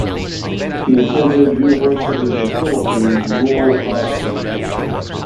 He attended University of the Philippines Rural High School.